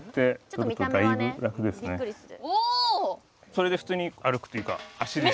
それで普通に歩くというか足で。